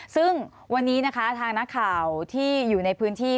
ซึ่งวันนี้นะคะทางนักข่าวที่อยู่ในพื้นที่